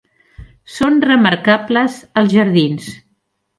Són remarcables els jardins.